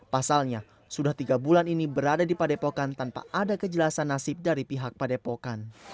pasalnya sudah tiga bulan ini berada di padepokan tanpa ada kejelasan nasib dari pihak padepokan